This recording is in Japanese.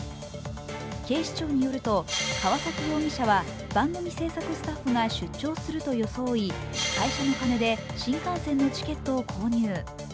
警視庁によると、川崎容疑者は番組制作スタッフが出張すると装い、会社の金で新幹線のチケットを購入。